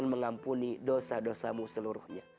dan mengampuni dosa dosamu seluruhnya